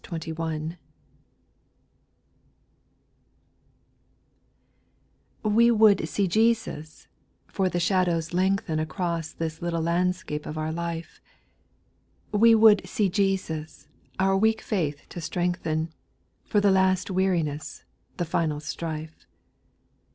66 Wf^ would see Jesus" — ^for the shadowa f f lengthen Across this little bindscape of our life : We would see Jesus, our weak faith to strengthen, For the last weariness — the final strife.